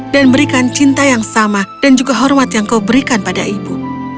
dan berikan cinta yang sama dan juga hormat yang kau berikan pada ibu